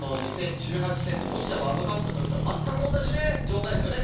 ２０１８年のロシアワールドカップの時と全く同じ状態ですよね。